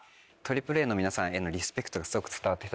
ＡＡＡの皆さんへのリスペクトがすごく伝わって来た。